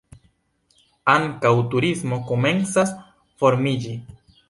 Ankaŭ turismo komencas formiĝi.